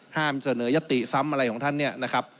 ห้ามเสนอยัตติซ้ำอะไรของท่านเนี่ย